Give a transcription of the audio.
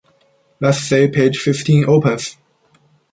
Let's say page fifteen opens.